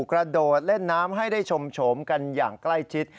กระโดดเล่นน้ำให้ได้ชมโฉมกันอย่างใกล้ชิด